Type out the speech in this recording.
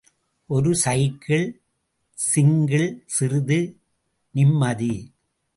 ஒரு cycle... single... சிறிது நிம்மதி.